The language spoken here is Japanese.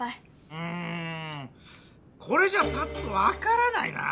うんこれじゃパッとわからないなぁ。